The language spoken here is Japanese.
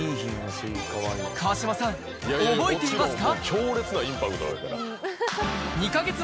川島さん、覚えていますか？